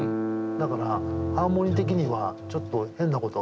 だからハーモニー的にはちょっと変なことが。